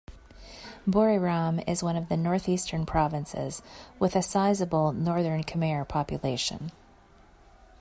Buriram is one of the northeastern provinces with a sizable Northern Khmer population.